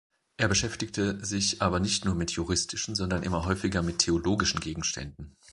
Er beschäftigte sich aber nicht nur mit juristischen, sondern immer häufiger mit theologischen Gegenständen.